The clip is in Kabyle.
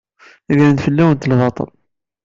Gren-d fell-awent lbaṭel.